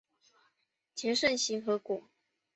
结肾形核果。